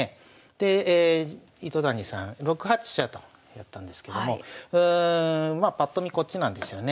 で糸谷さん６八飛車とやったんですけどもまあパッと見こっちなんですよね。